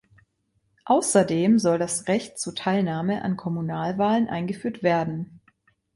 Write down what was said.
Außerdem soll das Recht zur Teilnahme an Kommunalwahlen eingeführt werden.